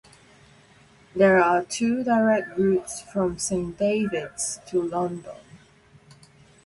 There are two direct routes from Saint Davids to London.